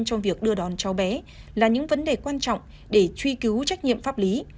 trong việc đưa đón cháu bé là những vấn đề quan trọng để truy cứu trách nhiệm pháp lý